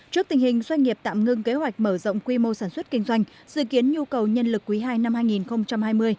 trước tình hình doanh nghiệp tạm ngưng kế hoạch mở rộng quy mô sản xuất kinh doanh dự kiến nhu cầu nhân lực quý ii năm hai nghìn hai mươi